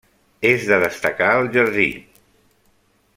És de destacar el jardí.